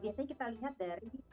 biasanya kita lihat dari